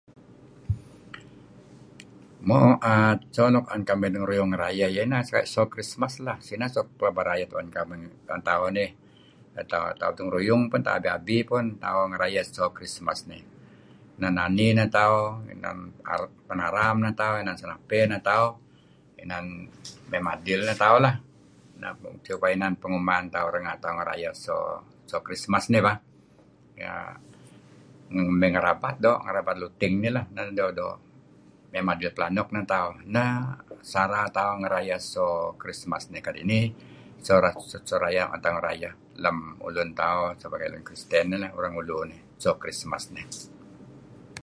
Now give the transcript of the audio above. Mo err cho luk 'an kamih dengeruyung ngerayeh iyeh ineh so Christmas lah sineh suk pelaba rayeh tu'en kamih, tu'en tauh nih ngerayeh, tauh dengeruyung pan, tauh abi-abi pun tauh ngerayeh so Christmas nih. Inan nani neh tauh, inan penaram neh tauh, inan senapey neh tauh , inan mey madil neh tauh lah, supaya inan penguman tauh renga' tauh ngerayeh so so Christmas nih bah. Ya mey ngerabat doo', ngerabat luting dih lah, naru'doo' -doo', mey madil pelanuk neh tauh, Neh sara tauh ngerayeh so Christmas nih kadi' nih so rayeh 'an tauh ngerayeh lem ulun tauh sebagai lun kristen nih lah orang ulu nih, so Christmas nih.